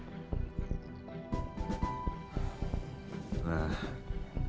kalau gitu kevin minta maaf mi